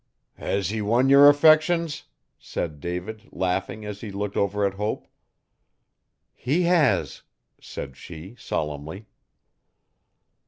'Has he won yer affections?' said David laughing as he looked over at Hope. 'He has,' said she solemnly.